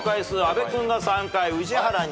阿部君が３回宇治原２回。